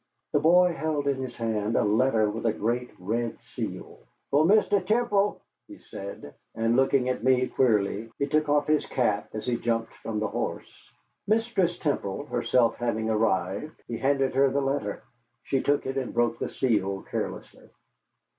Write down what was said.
The boy held in his hand a letter with a great red seal. "Fo' Mistis Temple," he said, and, looking at me queerly, he took off his cap as he jumped from the horse. Mistress Temple herself having arrived, he handed her the letter. She took it, and broke the seal carelessly.